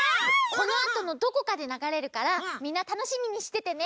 このあとのどこかでながれるからみんなたのしみにしててね！